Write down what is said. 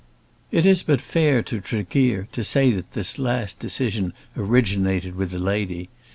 It is but fair to Tregear to say that this last decision originated with the lady.